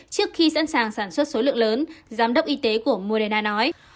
trước khi sẵn sàng sản xuất số lượng lớn giám đốc y tế của moderna nói